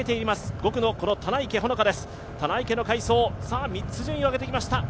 ５区の棚池の快走、３つ順位をあげてきました。